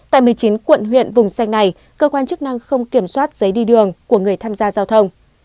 tại một mươi chín quận huyện vùng xanh này cơ quan chức năng không kiểm soát giấy đi đường của người tham gia giao thông